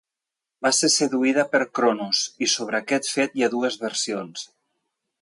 Va ser seduïda per Cronos, i sobre aquest fet hi ha dues versions.